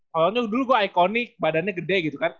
kalau dulu gue ikonik badannya gede gitu kan